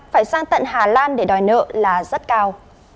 phải sang tận hà lan để đòi nợ là rất cao